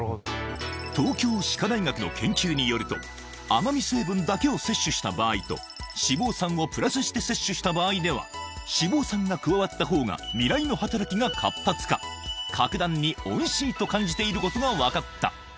東京歯科大学の研究によると甘味成分だけを摂取した場合と脂肪酸をプラスして摂取した場合では脂肪酸が加わった方が味蕾の働きが活発化格段においしいと感じていることが分かった